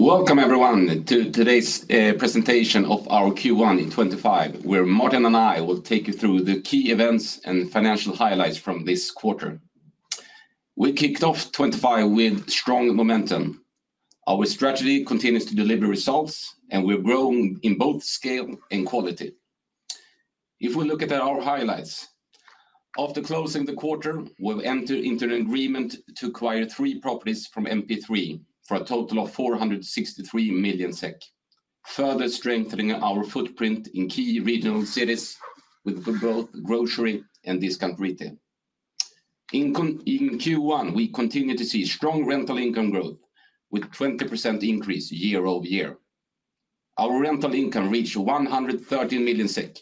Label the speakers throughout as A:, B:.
A: Welcome, everyone, to today's presentation of our Q1 in 2025, where Martin and I will take you through the key events and financial highlights from this quarter. We kicked off 2025 with strong momentum. Our strategy continues to deliver results, and we're growing in both scale and quality. If we look at our highlights, after closing the quarter, we've entered into an agreement to acquire three properties from MP3 for a total of 463 million SEK, further strengthening our footprint in key regional cities with both grocery and discount retail. In Q1, we continue to see strong rental income growth with a 20% increase year over year. Our rental income reached 113 million SEK,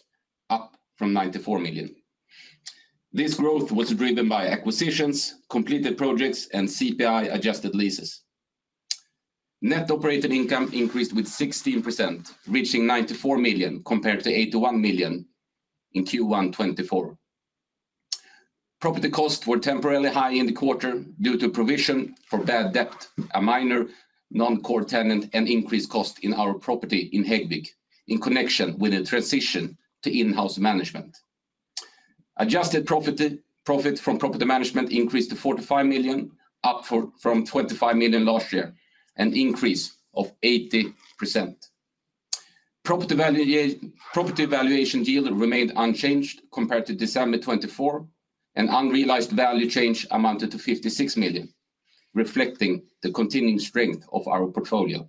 A: up from 94 million. This growth was driven by acquisitions, completed projects, and CPI-adjusted leases. Net operating income increased with 16%, reaching 94 million compared to 81 million in Q1 2024. Property costs were temporarily high in the quarter due to provision for bad debt, a minor non-core tenant, and increased cost in our property in Häggvik in connection with a transition to in-house management. Adjusted profit from property management increased to 45 million, up from 25 million last year, an increase of 80%. Property valuation yield remained unchanged compared to December 2024, and unrealized value change amounted to 56 million, reflecting the continuing strength of our portfolio.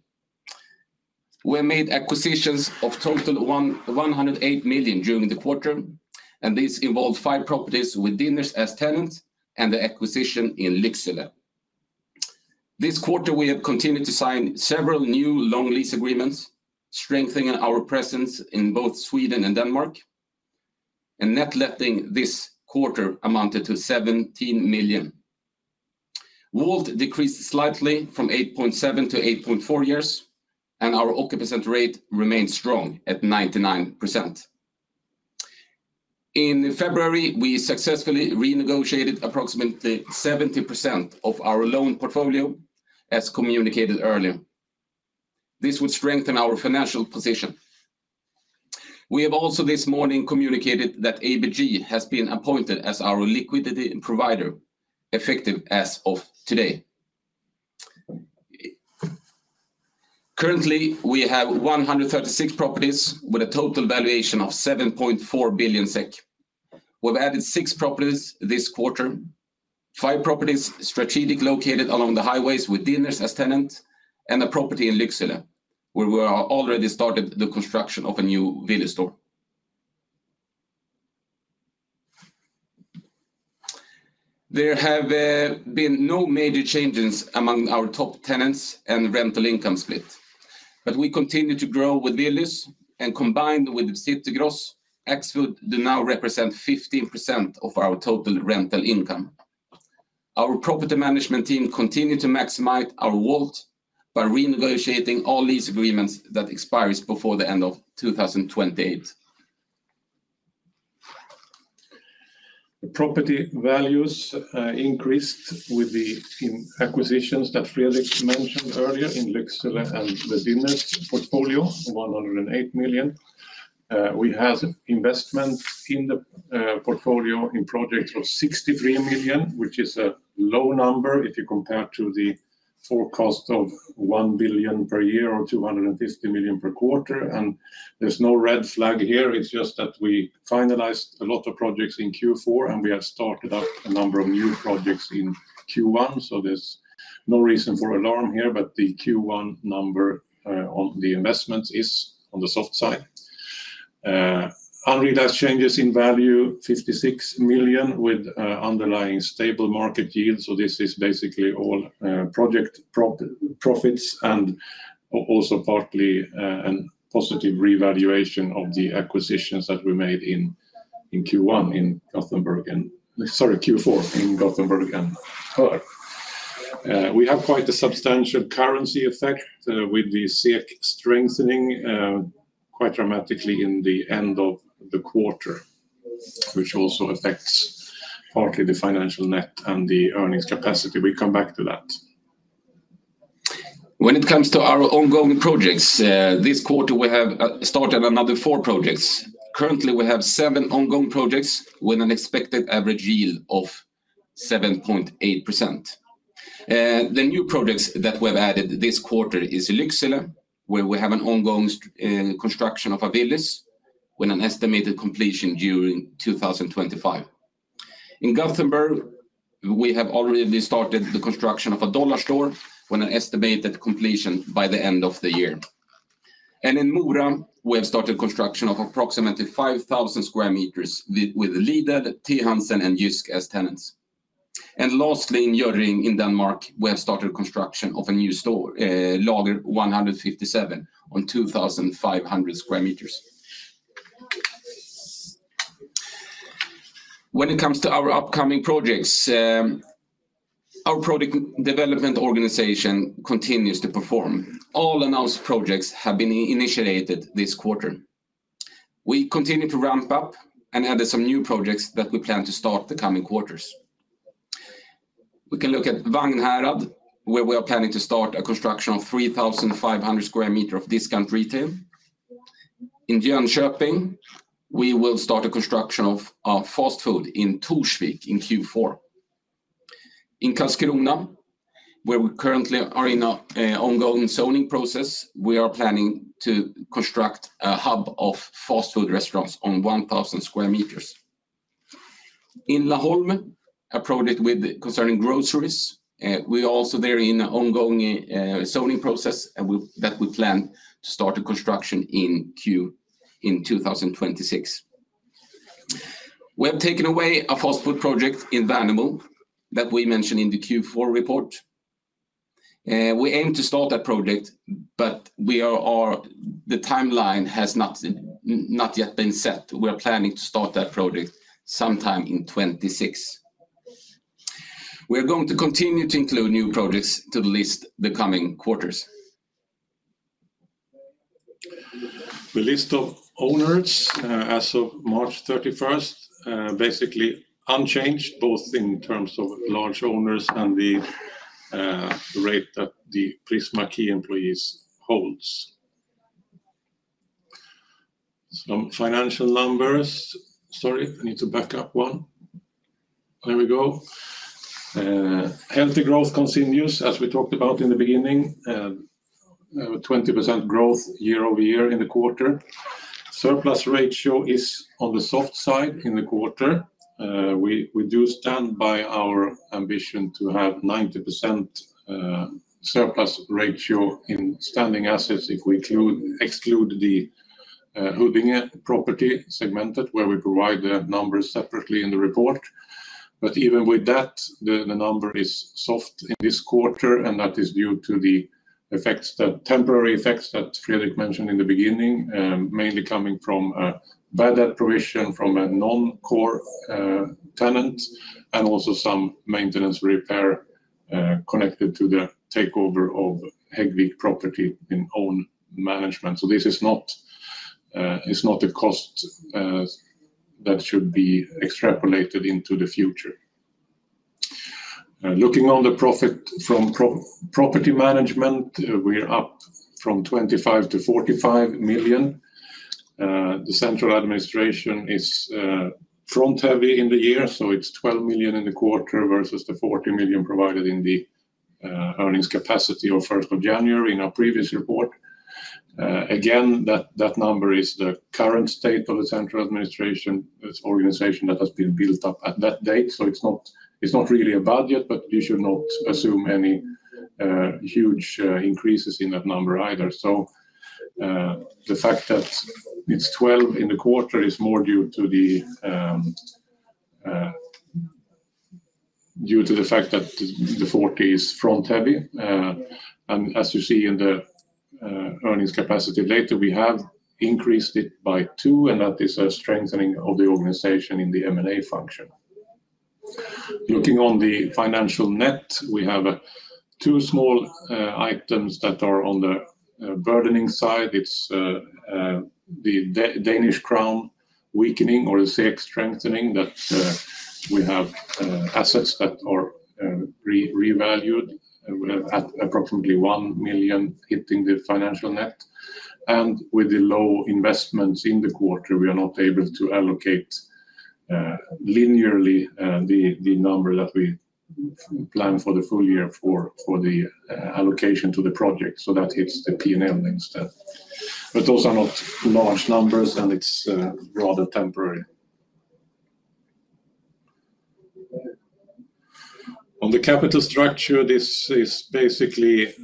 A: We made acquisitions of total 108 million during the quarter, and this involved five properties with Dinners as tenants and the acquisition in Laxå. This quarter, we have continued to sign several new long lease agreements, strengthening our presence in both Sweden and Denmark, and net letting this quarter amounted to 17 million. WALT decreased slightly from 8.7 to 8.4 years, and our occupation rate remained strong at 99%. In February, we successfully renegotiated approximately 70% of our loan portfolio, as communicated earlier. This would strengthen our financial position. We have also this morning communicated that ABG Sundal Collier has been appointed as our liquidity provider, effective as of today. Currently, we have 136 properties with a total valuation of 7.4 billion SEK. We've added six properties this quarter, five properties strategically located along the highways with Dinners as tenants, and a property in Laxå, where we have already started the construction of a new Willys store. There have been no major changes among our top tenants and rental income split, but we continue to grow with Willys, and combined with City Gross, Axfood do now represent 15% of our total rental income. Our property management team continues to maximize our WALT by renegotiating all lease agreements that expire before the end of 2028.
B: Property values increased with the acquisitions that Fredrik mentioned earlier in Laxå and the Dinners portfolio, 108 million. We have investment in the portfolio in projects of 63 million, which is a low number if you compare to the forecast of 1 billion per year or 250 million per quarter. There is no red flag here. It is just that we finalized a lot of projects in Q4, and we have started up a number of new projects in Q1, so there is no reason for alarm here, but the Q1 number on the investments is on the soft side. Unrealized changes in value, 56 million with underlying stable market yield. This is basically all project profits and also partly a positive revaluation of the acquisitions that we made in Q1 in Gothenburg and, sorry, Q4 in Gothenburg and Höör. We have quite a substantial currency effect with the SEK strengthening quite dramatically in the end of the quarter, which also affects partly the financial net and the earnings capacity. We come back to that.
A: When it comes to our ongoing projects, this quarter, we have started another four projects. Currently, we have seven ongoing projects with an expected average yield of 7.8%. The new projects that we have added this quarter are Laxå, where we have an ongoing construction of a Willys with an estimated completion during 2025. In Gothenburg, we have already started the construction of a DollarStore with an estimated completion by the end of the year. In Mora, we have started construction of approximately 5,000 sq m with Lidl, T-Hansen, and Jysk as tenants. Lastly, in Hjørring, in Denmark, we have started construction of a new store, Lager 157, on 2,500 sq m. When it comes to our upcoming projects, our project development organization continues to perform. All announced projects have been initiated this quarter. We continue to ramp up and added some new projects that we plan to start the coming quarters. We can look at Vagnhärad, where we are planning to start a construction of 3,500 sq m of discount retail. In Jönköping, we will start a construction of fast food in Torsvik in Q4. In Karlskrona, where we currently are in an ongoing zoning process, we are planning to construct a hub of fast food restaurants on 1,000 sq m. In Laholm, a project concerning groceries, we are also there in an ongoing zoning process that we plan to start construction in Q in 2026. We have taken away a fast food project in Värnamo that we mentioned in the Q4 report. We aim to start that project, but the timeline has not yet been set. We are planning to start that project sometime in 2026. We are going to continue to include new projects to the list the coming quarters.
B: The list of owners as of March 31 is basically unchanged, both in terms of large owners and the rate that the Prisma Properties employees hold. Some financial numbers. Sorry, I need to back up one. There we go. Healthy growth continues, as we talked about in the beginning, 20% growth year over year in the quarter. Surplus ratio is on the soft side in the quarter. We do stand by our ambition to have 90% surplus ratio in standing assets if we exclude the Huddinge property segmented, where we provide the numbers separately in the report. Even with that, the number is soft in this quarter, and that is due to the temporary effects that Fredrik mentioned in the beginning, mainly coming from a bad debt provision from a non-core tenant and also some maintenance repair connected to the takeover of Häggvik property in own management. This is not a cost that should be extrapolated into the future. Looking on the profit from property management, we're up from 25 million to 45 million. The central administration is front-heavy in the year, so it's 12 million in the quarter versus the 40 million provided in the earnings capacity of January 1, 2023, in our previous report. Again, that number is the current state of the central administration, the organization that has been built up at that date. It is not really a budget, but you should not assume any huge increases in that number either. The fact that it's 12 million in the quarter is more due to the fact that the 40 million is front-heavy. As you see in the earnings capacity data, we have increased it by 2 million, and that is a strengthening of the organization in the M&A function. Looking on the financial net, we have two small items that are on the burdening side. It's the Danish crown weakening or the SEK strengthening that we have assets that are revalued at approximately 1 million hitting the financial net. With the low investments in the quarter, we are not able to allocate linearly the number that we plan for the full year for the allocation to the project. That hits the P&L instead. Those are not large numbers, and it's rather temporary. On the capital structure, this is basically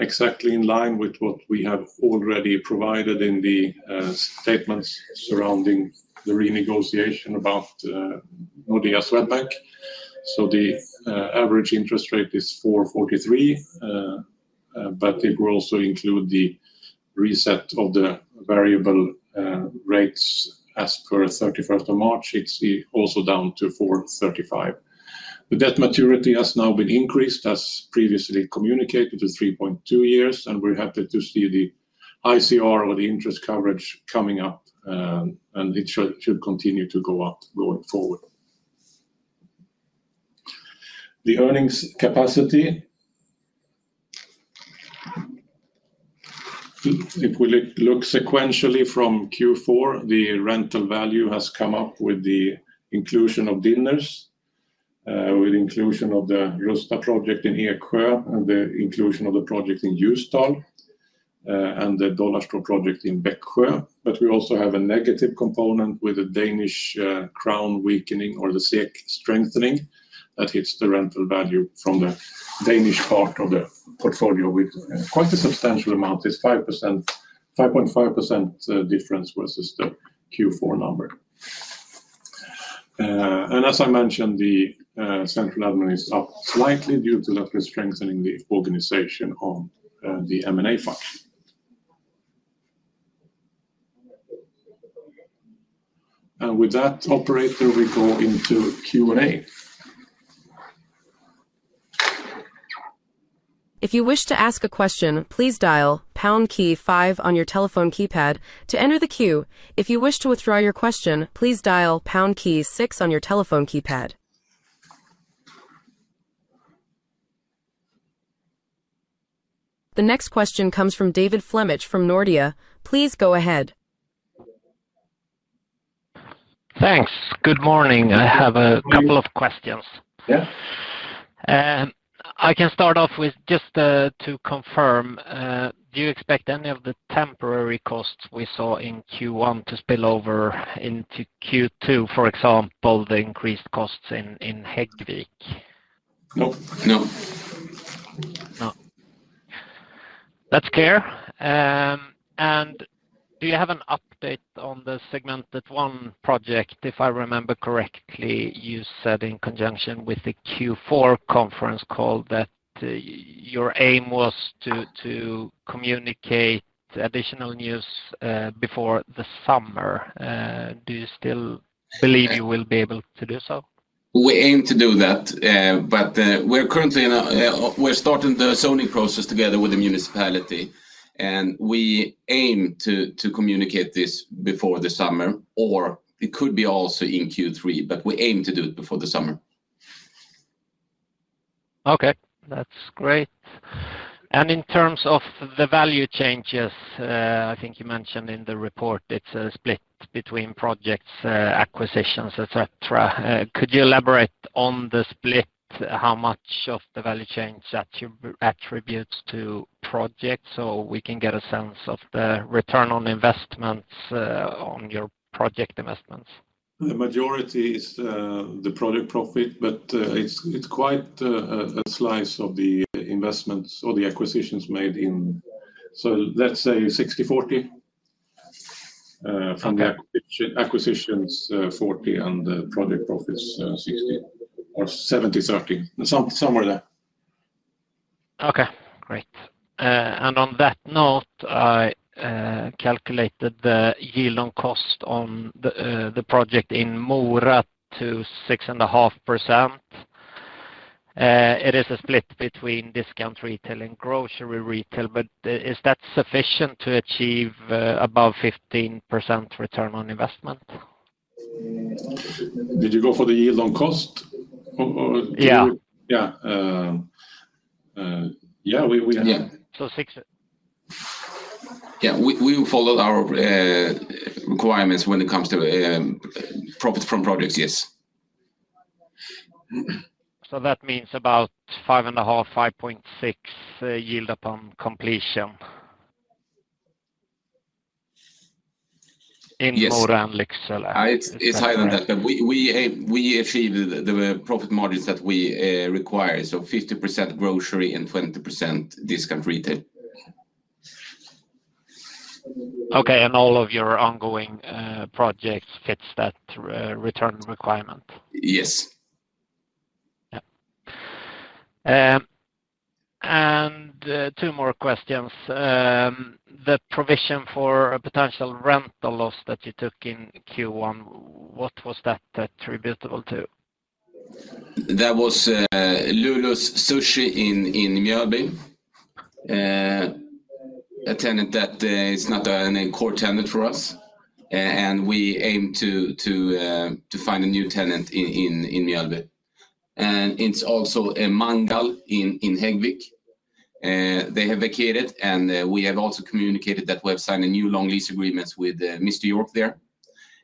B: exactly in line with what we have already provided in the statements surrounding the renegotiation about Nordea Swedbank. The average interest rate is 4.43%, but if we also include the reset of the variable rates as per 31st of March, it's also down to 4.35%. The debt maturity has now been increased, as previously communicated, to 3.2 years, and we're happy to see the ICR or the interest coverage coming up, and it should continue to go up going forward. The earnings capacity, if we look sequentially from Q4, the rental value has come up with the inclusion of Dinners, with the inclusion of the Rusta project in Eksjö and the inclusion of the project in Ljusdal and the DollarStore project in Backa. We also have a negative component with the Danish crown weakening or the SEK strengthening that hits the rental value from the Danish part of the portfolio with quite a substantial amount, this 5.5% difference versus the Q4 number. As I mentioned, the central admin is up slightly due to that we're strengthening the organization on the M&A function. With that, operator, we go into Q&A.
C: If you wish to ask a question, please dial pound key five on your telephone keypad to enter the queue. If you wish to withdraw your question, please dial pound key six on your telephone keypad. The next question comes from David Flemmich from Nordea. Please go ahead.
D: Thanks. Good morning. I have a couple of questions. I can start off with just to confirm, do you expect any of the temporary costs we saw in Q1 to spill over into Q2, for example, the increased costs in Häggvik?
B: No.
D: No. That's clear. Do you have an update on the Segmented One project? If I remember correctly, you said in conjunction with the Q4 conference call that your aim was to communicate additional news before the summer. Do you still believe you will be able to do so?
A: We aim to do that, but we're starting the zoning process together with the municipality, and we aim to communicate this before the summer, or it could be also in Q3, but we aim to do it before the summer.
D: Okay. That's great. In terms of the value changes, I think you mentioned in the report, it's a split between projects, acquisitions, etc. Could you elaborate on the split, how much of the value change attributes to projects so we can get a sense of the return on investments on your project investments?
B: The majority is the project profit, but it's quite a slice of the investments or the acquisitions made in. Let's say 60-40 from the acquisitions, 40, and the project profits, 60 or 70-30, somewhere there.
D: Okay. Great. On that note, I calculated the yield on cost on the project in Mora to 6.5%. It is a split between discount retail and grocery retail, but is that sufficient to achieve above 15% return on investment?
B: Did you go for the yield on cost?
D: Yeah.
B: Yeah. Yeah, we have.
D: Yeah.
A: Yeah, we followed our requirements when it comes to profits from projects, yes.
D: That means about 5.5%-5.6% yield upon completion in Mora and Laxå.
A: It's higher than that, but we achieved the profit margins that we require, so 50% grocery and 20% discount retail.
D: Okay. All of your ongoing projects fit that return requirement?
A: Yes.
D: Yeah. Two more questions. The provision for a potential rental loss that you took in Q1, what was that attributable to?
A: That was Lulus Sushi in Mjölby. A tenant that is not a core tenant for us, and we aim to find a new tenant in Mjölby. It is also a Mangal in Häggvik. They have vacated, and we have also communicated that we have signed a new long lease agreement with Mr. York there,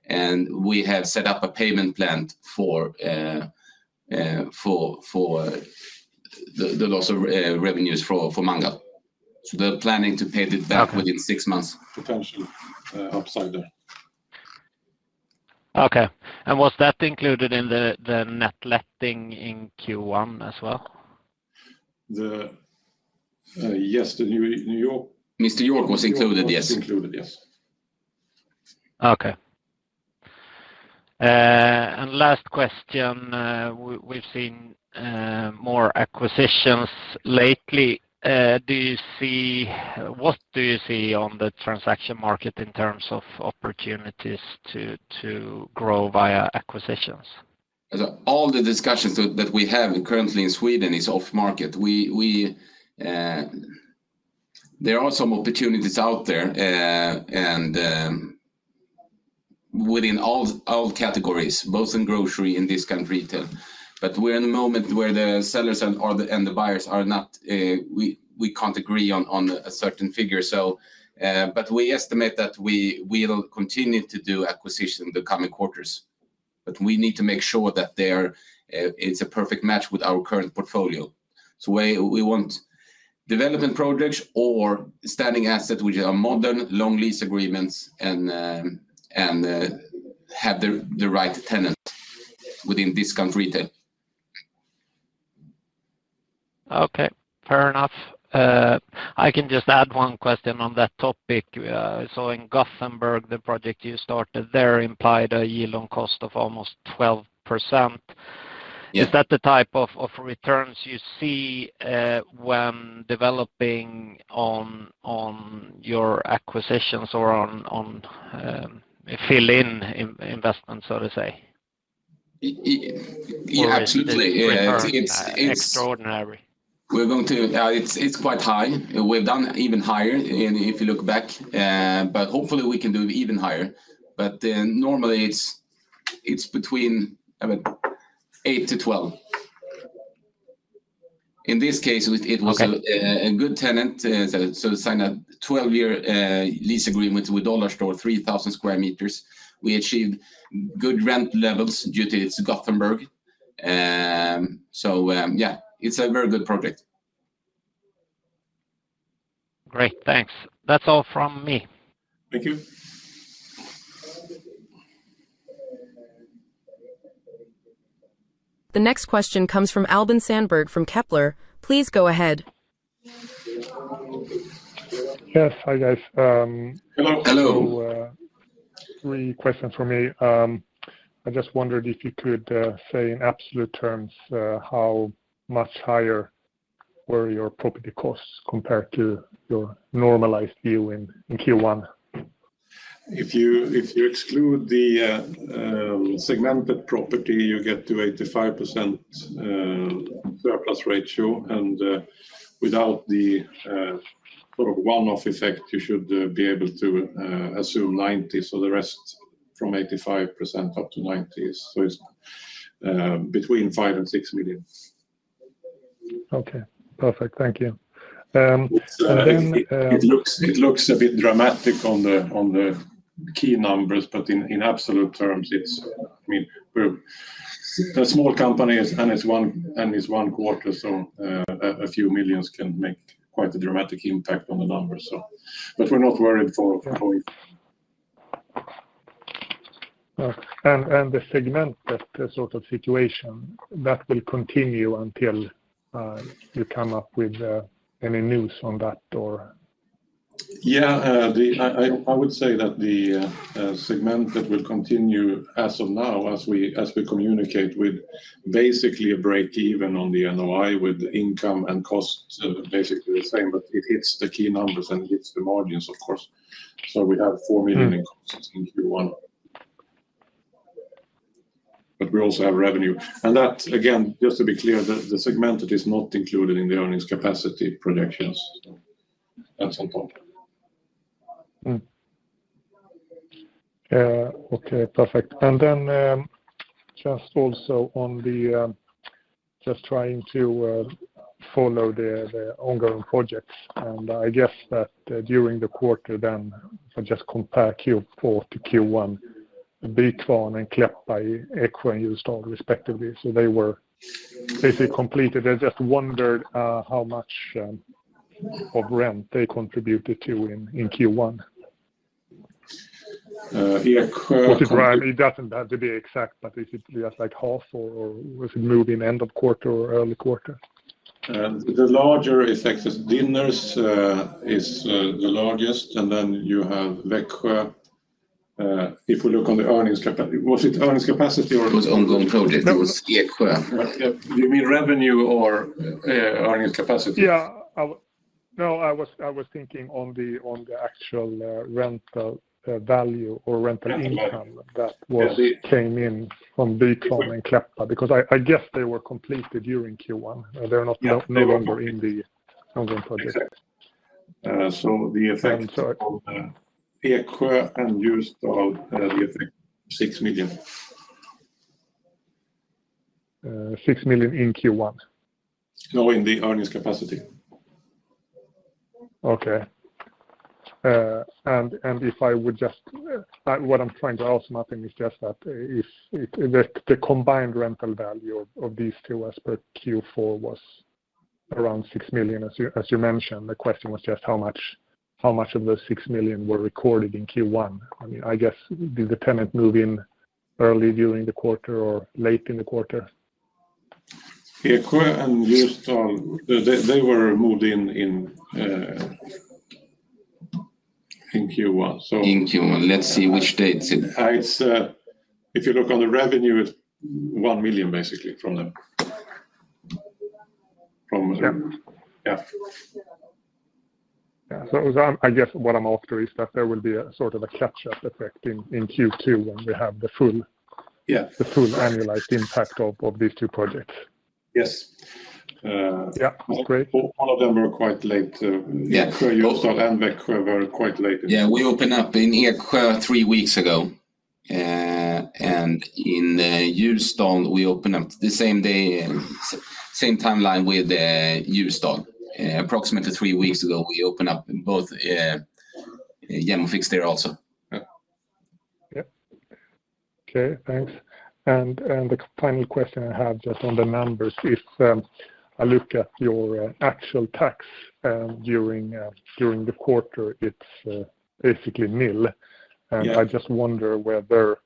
A: and we have set up a payment plan for the loss of revenues for Mangal. They are planning to pay it back within six months.
B: Potentially upside there.
D: Okay. Was that included in the net letting in Q1 as well?
B: Yes, the New York.
A: Mr. York was included, yes.
B: Was included, yes.
D: Okay. Last question. We've seen more acquisitions lately. What do you see on the transaction market in terms of opportunities to grow via acquisitions?
A: All the discussions that we have currently in Sweden is off-market. There are some opportunities out there within all categories, both in grocery, in discount retail. We are in a moment where the sellers and the buyers are not, we can't agree on a certain figure. We estimate that we'll continue to do acquisitions in the coming quarters. We need to make sure that it's a perfect match with our current portfolio. We want development projects or standing assets, which are modern, long lease agreements and have the right tenant within discount retail.
D: Okay. Fair enough. I can just add one question on that topic. In Gothenburg, the project you started there implied a yield on cost of almost 12%. Is that the type of returns you see when developing on your acquisitions or on fill-in investments, so to say?
B: Yeah, absolutely.
D: Extraordinary.
A: We're going to, it's quite high. We've done even higher if you look back, but hopefully, we can do even higher. Normally, it's between 8-12. In this case, it was a good tenant to sign a 12-year lease agreement with DollarStore, 3,000 sq m. We achieved good rent levels due to it's Gothenburg. Yeah, it's a very good project.
D: Great. Thanks. That's all from me.
B: Thank you.
C: The next question comes from Albin Sandberg from Kepler. Please go ahead.
E: Yes. Hi, guys.
A: Hello.
E: Hello. Three questions for me. I just wondered if you could say in absolute terms how much higher were your property costs compared to your normalized yield in Q1.
B: If you exclude the segmented property, you get to 85% surplus ratio. Without the sort of one-off effect, you should be able to assume 90%. The rest from 85% up to 90% is between 5 million-6 million.
E: Okay. Perfect. Thank you. Then.
B: It looks a bit dramatic on the key numbers, but in absolute terms, it's, I mean, we're a small company, and it's one quarter, so a few millions can make quite a dramatic impact on the numbers. But we're not worried for.
E: The segmented sort of situation, that will continue until you come up with any news on that?
B: Yeah. I would say that the segmented will continue as of now, as we communicate with basically a break-even on the NOI with income and cost basically the same. It hits the key numbers and it hits the margins, of course. We have 4 million in costs in Q1, but we also have revenue. That, again, just to be clear, the segmented is not included in the earnings capacity projections. That is on top.
E: Okay. Perfect. Also, on the just trying to follow the ongoing projects. I guess that during the quarter, just compare Q4 to Q1, Backa and Klippan, Eksjö and Ljusdal respectively. They were basically completed. I just wondered how much of rent they contributed to in Q1.
B: Eksjö.
E: It doesn't have to be exact, but is it just like half or was it moving end of quarter or early quarter?
B: The larger effect of Dinners is the largest, and then you have Vekkø. If we look on the earnings, was it earnings capacity or?
A: It was ongoing project. It was Backa.
B: You mean revenue or earnings capacity?
E: Yeah. No, I was thinking on the actual rental value or rental income that came in from Backa and Klippan, because I guess they were completed during Q1. They're no longer in the ongoing project.
B: The effect on Backa and Ljusdal, the effect is SEK 6 million.
E: 6 million in Q1?
B: No, in the earnings capacity.
E: Okay. If I would just, what I'm trying to ask, my thing is just that if the combined rental value of these two as per Q4 was around 6 million, as you mentioned, the question was just how much of the 6 million were recorded in Q1. I mean, I guess did the tenant move in early during the quarter or late in the quarter?
B: Eksjö and Ljusdal, they were moved in Q1.
A: In Q1. Let's see which date it is.
B: If you look on the revenue, it's 1 million basically from them.
E: Yeah. I guess what I'm after is that there will be a sort of a catch-up effect in Q2 when we have the full annualized impact of these two projects.
B: Yes.
E: Yeah. All of them were quite late. Backa, Ljusdal, and Vagnhärad were quite late.
A: Yeah. We opened up in Backa three weeks ago. In Ljusdal, we opened up the same day, same timeline with Ljusdal. Approximately three weeks ago, we opened up both. Jämjö, Fixte also, yeah.
E: Yeah. Okay. Thanks. The final question I have just on the numbers is, I look at your actual tax during the quarter, it's basically nil. I just wonder whether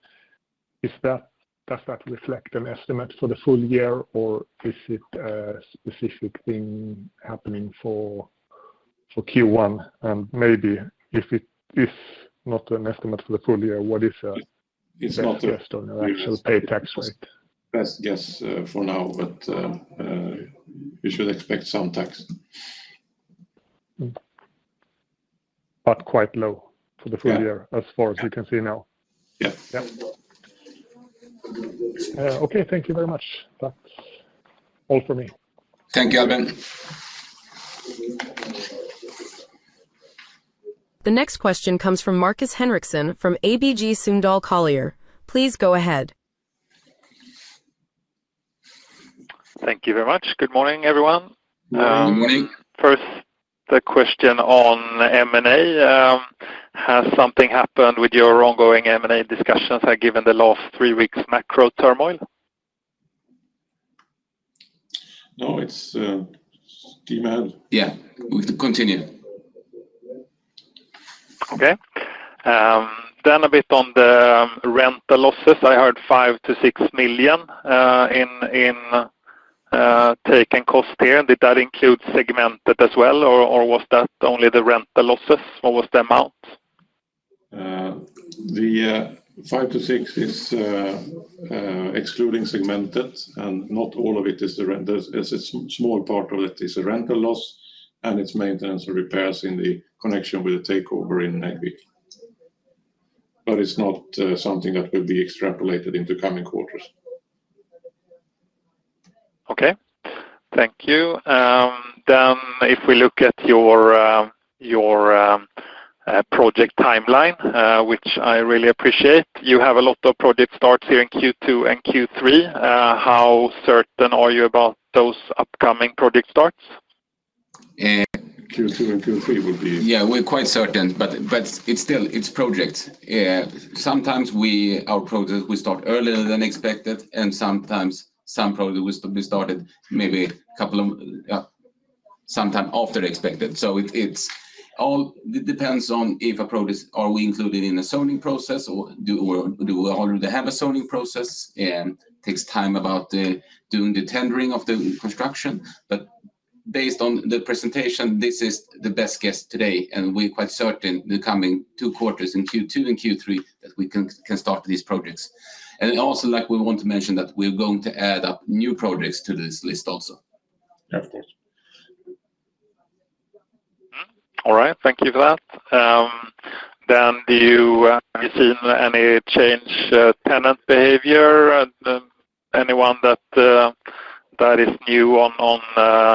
E: does that reflect an estimate for the full year, or is it a specific thing happening for Q1? Maybe if it is not an estimate for the full year, what is the interest on your actual pay tax rate?
B: That's a guess for now, but we should expect some tax.
E: Quite low for the full year as far as we can see now.
B: Yeah.
E: Okay. Thank you very much. That's all for me.
A: Thank you, Albin.
C: The next question comes from Marcus Henriksen from ABG Sundal Collier. Please go ahead.
F: Thank you very much. Good morning, everyone.
A: Good morning.
F: First, the question on M&A. Has something happened with your ongoing M&A discussions given the last three weeks' macro turmoil?
B: No, it's demand.
A: Yeah. We continue.
F: Okay. Then a bit on the rental losses. I heard 5-6 million in taken cost here. Did that include segmented as well, or was that only the rental losses? What was the amount?
B: Five to six is excluding segmented, and not all of it is the rental. A small part of it is a rental loss, and it's maintenance or repairs in the connection with the takeover in Häggvik. It is not something that will be extrapolated into coming quarters.
F: Okay. Thank you. If we look at your project timeline, which I really appreciate, you have a lot of project starts here in Q2 and Q3. How certain are you about those upcoming project starts?
B: Q2 and Q3 would be.
A: Yeah, we're quite certain, but it's projects. Sometimes our projects, we start earlier than expected, and sometimes some projects will be started maybe a couple of sometime after expected. It depends on if a project are we included in a zoning process, or do we already have a zoning process. It takes time about doing the tendering of the construction. Based on the presentation, this is the best guess today, and we're quite certain the coming two quarters in Q2 and Q3 that we can start these projects. Also, we want to mention that we're going to add up new projects to this list also.
E: Of course.
F: All right. Thank you for that. Do you see any change in tenant behavior? Anyone that is new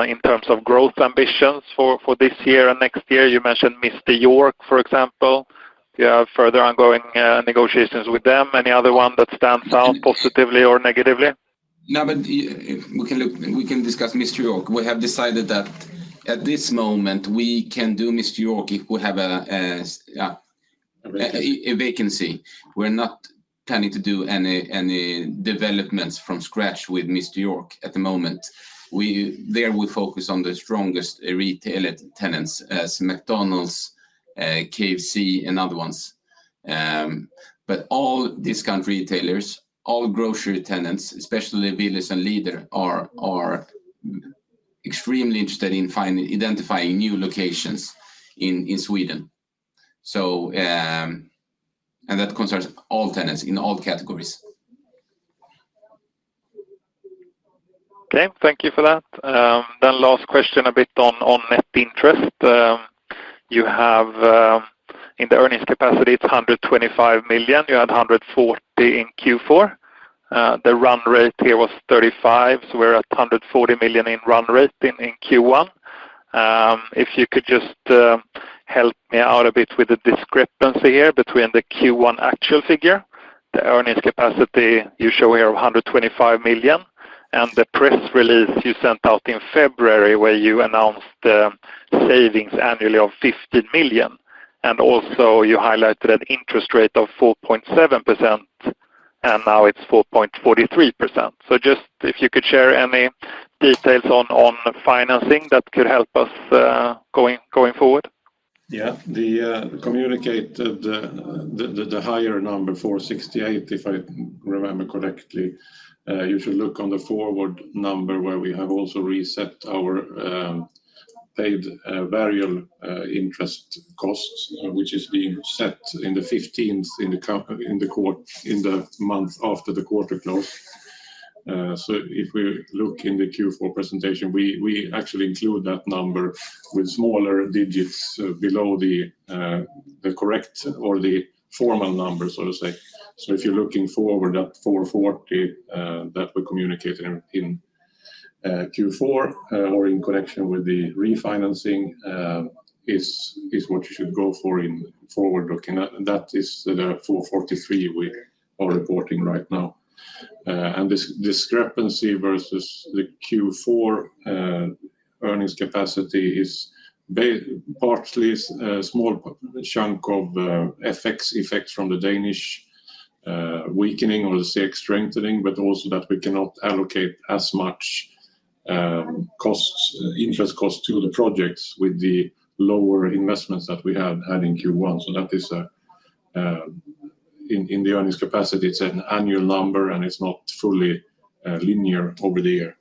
F: in terms of growth ambitions for this year and next year? You mentioned Jysk, for example. Do you have further ongoing negotiations with them? Any other one that stands out positively or negatively?
A: No, but we can discuss Mr. York. We have decided that at this moment, we can do Mr. York if we have a vacancy. We're not planning to do any developments from scratch with Mr. York at the moment. There we focus on the strongest retail tenants as McDonald's, KFC, and other ones. All discount retailers, all grocery tenants, especially Willys and Lidl, are extremely interested in identifying new locations in Sweden. That concerns all tenants in all categories.
F: Okay. Thank you for that. Last question a bit on net interest. You have in the earnings capacity, it is 125 million. You had 140 million in Q4. The run rate here was 35 million, so we are at 140 million in run rate in Q1. If you could just help me out a bit with the discrepancy here between the Q1 actual figure, the earnings capacity you show here of 125 million, and the press release you sent out in February where you announced savings annually of 15 million. You also highlighted an interest rate of 4.7%, and now it is 4.43%. If you could share any details on financing that could help us going forward.
B: Yeah. The higher number, 468, if I remember correctly, you should look on the forward number where we have also reset our paid variable interest costs, which is being set on the 15th in the month after the quarter close. If we look in the Q4 presentation, we actually include that number with smaller digits below the correct or the formal number, so to say. If you're looking forward at 440 that we communicated in Q4 or in connection with the refinancing, that is what you should go for in forward looking. That is the 443 we are reporting right now. This discrepancy versus the Q4 earnings capacity is partly a small chunk of FX effect from the Danish weakening or the SEK strengthening, but also that we cannot allocate as much interest cost to the projects with the lower investments that we had in Q1. That is in the earnings capacity. It's an annual number, and it's not fully linear over the year.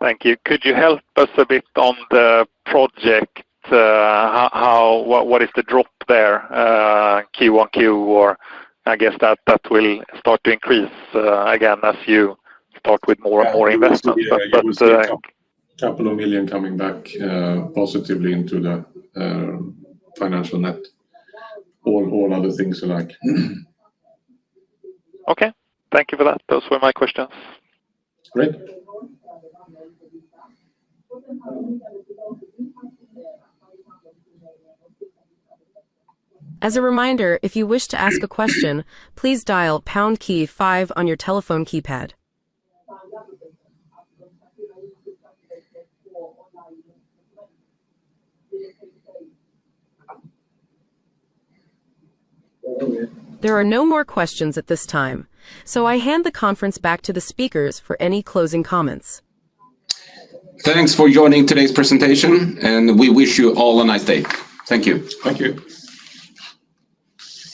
F: Thank you. Could you help us a bit on the project? What is the drop there? Q1, Q4, I guess that will start to increase again as you start with more and more investments.
B: A couple of million coming back positively into the financial net. All other things are like.
F: Okay. Thank you for that. Those were my questions.
B: Great.
C: As a reminder, if you wish to ask a question, please dial #5 on your telephone keypad. There are no more questions at this time, so I hand the conference back to the speakers for any closing comments.
A: Thanks for joining today's presentation, and we wish you all a nice day. Thank you.
B: Thank you.